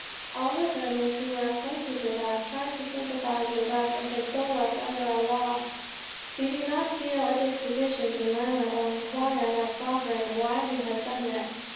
All the Burmans who were acquainted with us, tried to sympathize with us and console us under our loss." ... "We do not feel a disposition to murmur, or inquire of our Sovereign why he has done this.